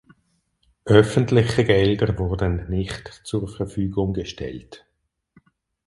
Öffentliche Gelder wurden nicht zur Verfügung gestellt.